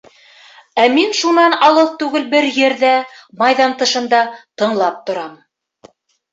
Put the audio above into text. Ә мин шунан алыҫ түгел бер ерҙә, майҙан тышында, тыңлап торам.